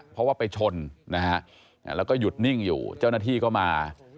เพราะว่าไปชนนะฮะแล้วก็หยุดนิ่งอยู่เจ้าหน้าที่ก็มา